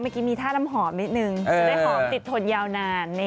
เมื่อกี้มีท่าน้ำหอมนิดนึงจะได้หอมติดทนยาวนาน